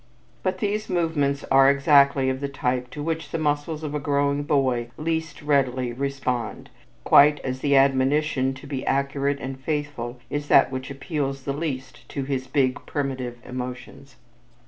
But these movements are exactly of the type to which the muscles of a growing boy least readily respond, quite as the admonition to be accurate and faithful is that which appeals the least to his big primitive emotions.